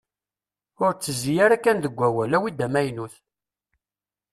Ur tezzi ara kan deg wawal, awi-d amaynut.